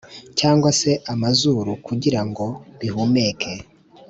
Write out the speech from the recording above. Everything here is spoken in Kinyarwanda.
cyangwa se amazuru kugira ngo bihumeke.